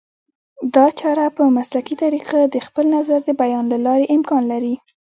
دا چاره په مسلکي طریقه د خپل نظر د بیان له لارې امکان لري